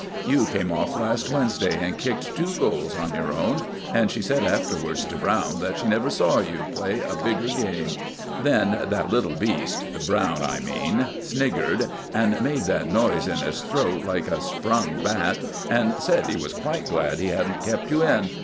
"You came off last Wednesday and kicked two goals on your own, and she said afterwards to Browne that she never saw you play a bigger game. Then that little beast Browne, I mean sniggered, and made that noise in his throat, like a sprung bat, and said he was quite glad he hadn't kept you in.